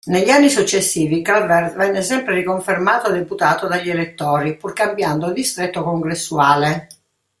Negli anni successivi Calvert venne sempre riconfermato deputato dagli elettori, pur cambiando distretto congressuale.